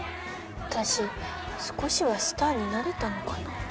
私少しはスターになれたのかな。